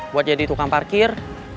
buat jadi tukang parkir